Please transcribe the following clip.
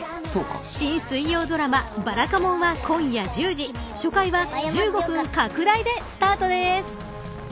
新水曜ドラマ、ばらかもんは今夜１０時、初回は１５分拡大でスタートです。